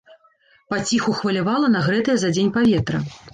Паціху хвалявала нагрэтае за дзень паветра.